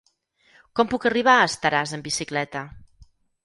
Com puc arribar a Estaràs amb bicicleta?